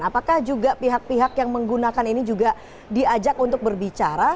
apakah juga pihak pihak yang menggunakan ini juga diajak untuk berbicara